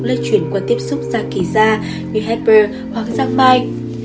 lây chuyển qua tiếp xúc xa kỳ da như hepper hoặc sang mai